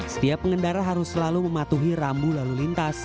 setiap pengendara harus selalu mematuhi rambu lalu lintas